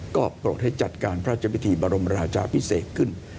ก็โปรดให้จัดการพระราชพิธีบรมราชาพิเศษขึ้น